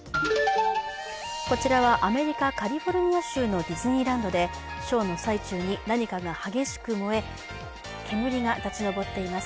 こちらはアメリカ・カリフォルニア州のディズニーランドでショーの最中に何かが激しく燃え、煙が立ち上っています。